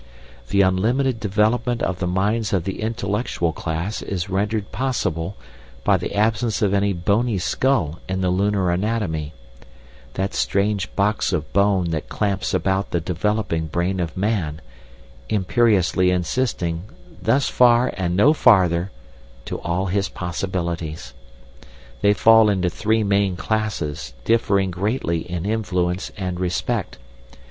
The unlimited development of the minds of the intellectual class is rendered possible by the absence of any bony skull in the lunar anatomy, that strange box of bone that clamps about the developing brain of man, imperiously insisting 'thus far and no farther' to all his possibilities. They fall into three main classes differing greatly in influence and respect.